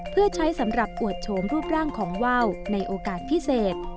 เพื่อใช้สำหรับอวดโฉมรูปร่างของว่าวในโอกาสพิเศษ